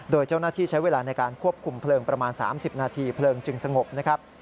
โดยเจ้าหน้าที่ใช้เวลาในการควบคุมเพลิงประมาณ๓๐นาทีเพลิงจึงสงบนะครับ